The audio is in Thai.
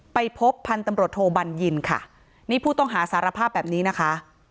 ไปพบพันธุ์ตำรวจโทบัญญินค่ะนี่ผู้ต้องหาสารภาพแบบนี้นะคะ